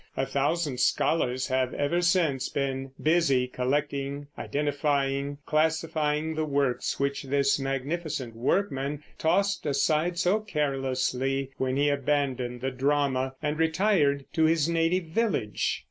A thousand scholars have ever since been busy collecting, identifying, classifying the works which this magnificent workman tossed aside so carelessly when he abandoned the drama and retired to his native village.